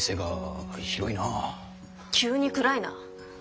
急に暗いな。